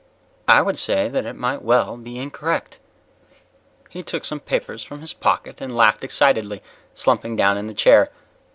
"I would say that it might well be incorrect." He took some papers from his pocket and laughed excitedly, slumping down in the chair.